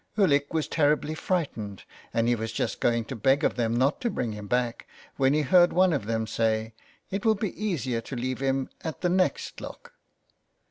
Ulick was terribly frightened, and he was just going to beg of them not to bring him back when he heard one of them say, ^' It will be easier to leave him at the next lock."